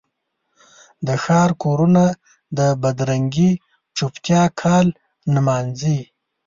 د ښار کورونه د بدرنګې چوپتیا کال نمانځي